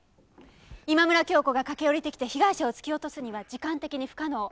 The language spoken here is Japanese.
今村恭子が駆け下りてきて被害者を突き落とすには時間的に不可能。